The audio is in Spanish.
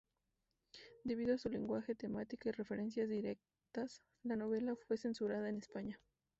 Debido a su lenguaje, temática y referencias directas, la novela fue censurada en España.